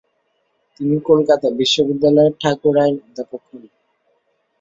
তিনি কলকাতা বিশ্ববিদ্যালয়ের ঠাকুর আইন অধ্যাপক হন ।